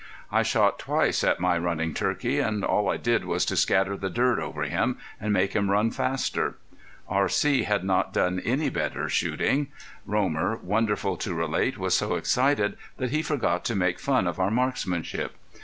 I shot twice at my running turkey, and all I did was to scatter the dirt over him, and make him run faster. R.C. had not done any better shooting. Romer, wonderful to relate, was so excited that he forgot to make fun of our marksmanship.